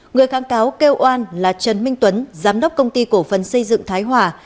người kháng cáo kêu oan là trần minh tuấn giám đốc công ty cổ phần xây dựng thái hòa